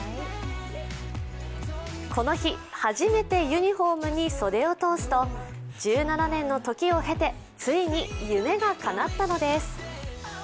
この日初めてユニフォームに袖を通すと１７年の時を経て、ついに夢がかなったのです。